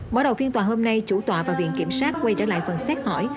mở đầu phiên tòa hôm nay chủ tọa và viện kiểm sát quay trở lại phần xét hỏi